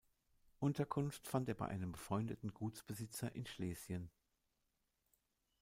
Unterkunft fand er bei einem befreundeten Gutsbesitzer in Schlesien.